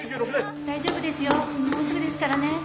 大丈夫ですよもうすぐですからね。